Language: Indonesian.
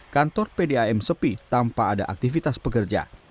kantor pdam sepi tanpa ada aktivitas pekerja